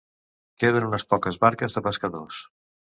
Queden unes poques barques de pescadors.